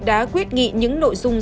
đã quyết nghị những nội dung